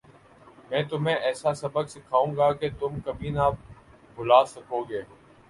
میں تمہیں ایسا سبق سکھاؤں گا کہ تم کبھی نہ بھلا سکو گے